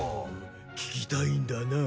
聴きたいんだなあ。